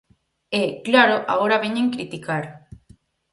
E, claro, agora veñen criticar.